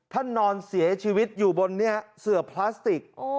นอนเสียชีวิตอยู่บนนี้เสือพลาสติก